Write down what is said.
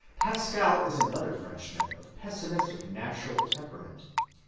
Pascal is another Frenchman of pessimistic natural temperament.